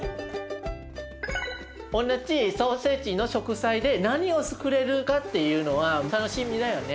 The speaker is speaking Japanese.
同じソーセージの食材で何をつくれるかっていうのは楽しみだよね。